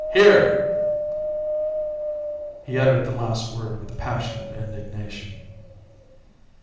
Here." He uttered the last word with a passion of indignation.